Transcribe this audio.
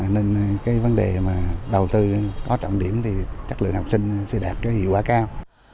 nên cái vấn đề mà đầu tư có trọng điểm thì chất lượng học sinh sẽ đạt cái hiệu quả cao